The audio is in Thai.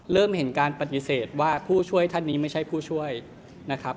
เริ่มเห็นการปฏิเสธว่าผู้ช่วยท่านนี้ไม่ใช่ผู้ช่วยนะครับ